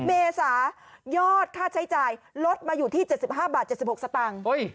เมษายอดค่าใช้จ่ายลดมาอยู่ที่๗๕บาท๗๖สตางค์